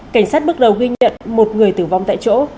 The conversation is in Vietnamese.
cảnh sát bước đầu ghi nhận một người tử vong tại chỗ